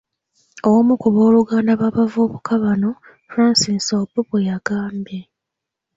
Omu ku booluganda b’abavubuka bano, Francis Obbo bwe yagambye.